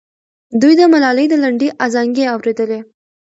دوی د ملالۍ د لنډۍ ازانګې اورېدلې.